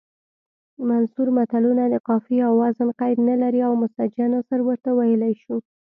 منثور متلونه د قافیې او وزن قید نلري او مسجع نثر ورته ویلی شو